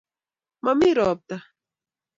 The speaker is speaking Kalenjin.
momii ropta